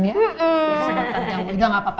bisa makan jam juga gak apa apa